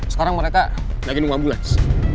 sekarang mereka lagi nunggu ambulans